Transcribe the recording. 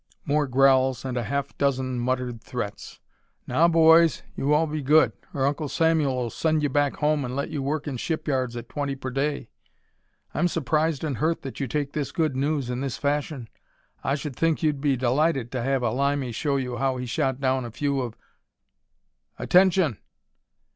More growls, and a half dozen muttered threats. "Now boys, you all be good, or Uncle Samuel'll send you back home and let you work in the shipyards at twenty per day. I'm surprised and hurt that you take this good news in this fashion. I should think you'd be delighted to have a Limey show you how he shot down a few of " "Attention!"